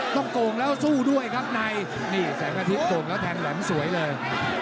โกงแล้วสู้ด้วยครับในนี่แสงอาทิตยโก่งแล้วแทงแหลมสวยเลย